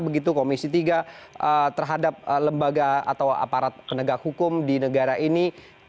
begitu komisi tiga terhadap lembaga atau aparat penegak hukum di negara ini